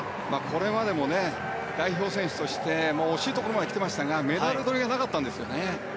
これまでも代表選手として惜しいところまできてましたがメダルはとれていなかったんですよね。